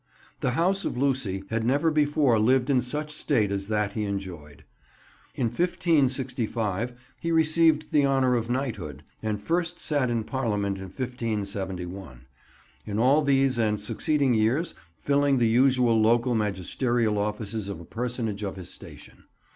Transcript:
The house of Lucy had never before lived in such state as that he enjoyed. In 1565 he received the honour of knighthood, and first sat in Parliament in 1571: in all these and succeeding years filling the usual local magisterial offices of a personage of his station.